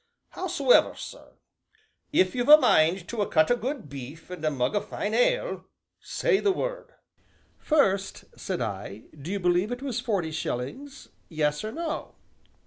Hows'ever, sir, if you've a mind to a cut o' good beef, an' a mug o' fine ale say the word." "First," said I, "do you believe it was forty shillings yes or no?"